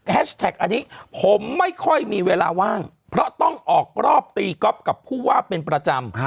อันนี้ผมไม่ค่อยมีเวลาว่างเพราะต้องออกรอบตีก๊อฟกับผู้ว่าเป็นประจำ